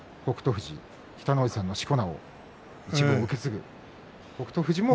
富士、北の富士さんのしこ名を受け継ぐ北勝富士も。